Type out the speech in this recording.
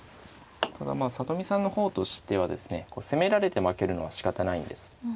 ただまあ里見さんの方としてはですね攻められて負けるのはしかたないんです。